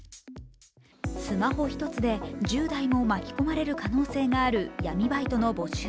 スマホ一つで１０代も巻き込まれる可能性のある闇バイトの募集。